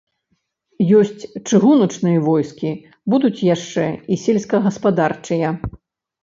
Ёсць чыгуначныя войскі, будуць яшчэ і сельскагаспадарчыя.